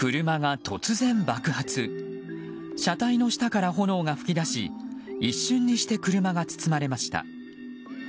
車体の下から炎が噴き出し一瞬にして車が包まれました。